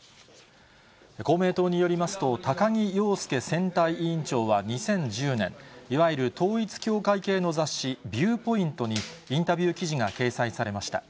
公明党によりますと、高木陽介選対委員長は２０１０年、いわゆる統一教会系の雑誌、ビューポイントに、インタビュー記事が掲載されました。